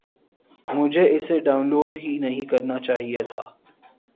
مجھے اسے download ہی نہیں کرنا چاہیے تھا